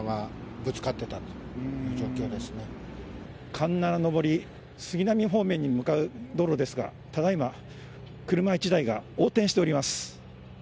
環七上り杉並方面に向かう道路ですがただ今車１台が横転しております。